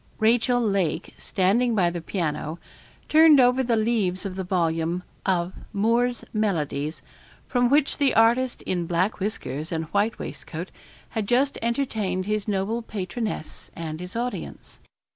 Rachel Lake, standing by the piano, turned over the leaves of the volume of 'Moore's Melodies' from which the artist in black whiskers and white waistcoat had just entertained his noble patroness and his audience.